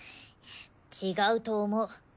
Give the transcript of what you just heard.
違うと思う。